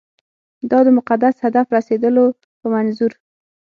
دا د مقدس هدف رسېدلو په منظور.